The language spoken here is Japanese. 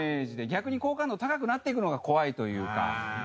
逆に好感度高くなっていくのが怖いというか。